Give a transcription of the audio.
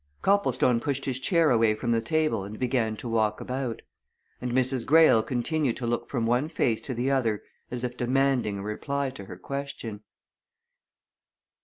Copplestone pushed his chair away from the table and began to walk about. And Mrs. Greyle continued to look from one face to the other as if demanding a reply to her question.